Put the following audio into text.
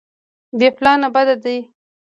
بې پلانه بد دی.